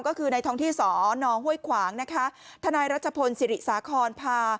ก็คือในท้องที่สอนอห้วยขวางนะคะทนายรัชพลศิริสาครพา